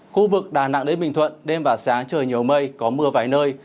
khu vực đà nẵng đến bình thuận đêm và sáng trời nhiều mây có mưa vài nơi